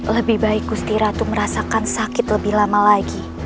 lebih baik gusti ratu merasakan sakit lebih lama lagi